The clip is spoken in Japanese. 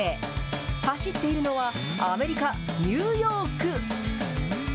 走っているのは、アメリカ・ニューヨーク。